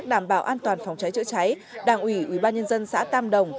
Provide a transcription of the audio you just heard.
đảm bảo an toàn phòng cháy chữa cháy đảng ủy ubnd xã tam đồng